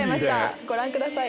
ご覧ください。